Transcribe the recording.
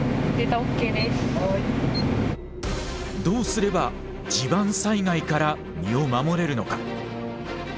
どうすれば地盤災害から身を守れるのか。